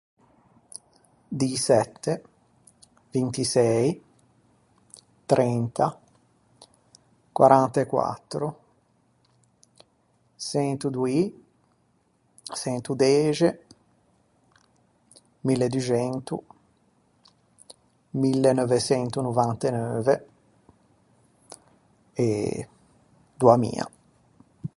Dïsette, vinti sëi, trenta, quarant’e quattro, çento doî, çento dexe, mille duxento, mille neuveçento novant’e neuve e doamia.